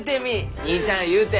義兄ちゃんゆうて。